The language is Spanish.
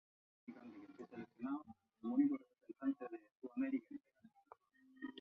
Estas dos imágenes combinadas juntas crean el efecto final.